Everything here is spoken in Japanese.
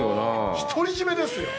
ひとり占めですよ。